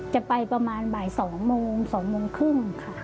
จะไปประมาณบ่าย๒โมง๒โมงครึ่งค่ะ